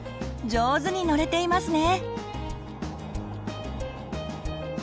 上手に乗れていますね！